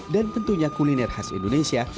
tentunya kuliner khas indonesia